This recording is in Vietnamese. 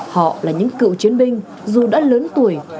họ là những cựu chiến binh dù đã lớn tuổi